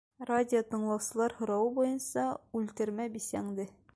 Радио тыңлаусылар һорауы буйынса, үлтермә бисәңде.